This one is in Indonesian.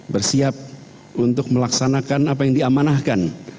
bersiap untuk melaksanakan apa yang diamanahkan